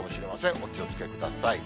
お気をつけください。